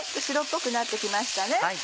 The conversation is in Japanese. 白っぽくなって来ました。